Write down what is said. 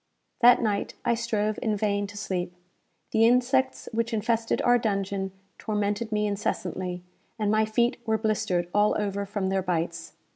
That night I strove in vain to sleep. The insects which infested our dungeon tormented me incessantly, and my feet were blistered all over from their bites.